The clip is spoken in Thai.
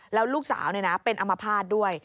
แล้วลูกสาวเป็นอมภาษณ์ด้วย